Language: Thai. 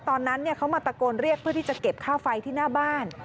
ตอนนั้นเขามาตะโกนเรียกเพื่อที่จะเก็บค่าไฟที่หน้าบ้าน